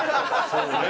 そうよね。